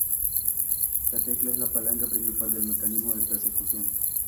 La tecla es la palanca principal del mecanismo de percusión.